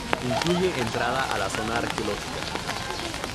Incluye entrada a la Zona Arqueológica.